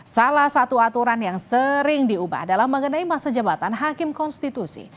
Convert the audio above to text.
salah satu aturan yang sering diubah adalah mengenai masa jabatan hakim konstitusi